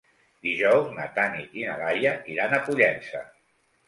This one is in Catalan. Dijous na Tanit i na Laia iran a Pollença.